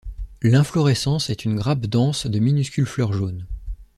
L'inflorescence est une grappe dense de minuscules fleurs jaunes.